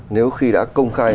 nếu khi đã công khai